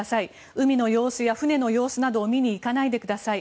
海の様子や船の様子などを見に行かないでください。